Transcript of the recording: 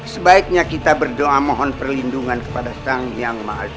sebaiknya kita berdoa mohon perlindungan kepada bapak